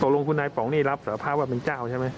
ตรงลงคุณนายปองนี่รับสาธารณะว่าเป็นเจ้าใช่ไหม